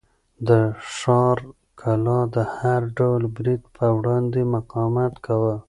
د ښار کلا د هر ډول برید په وړاندې مقاومت کاوه.